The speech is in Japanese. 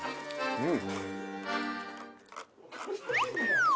うん。